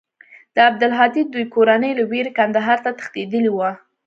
د عبدالهادي دوى کورنۍ له وېرې کندهار ته تښتېدلې وه.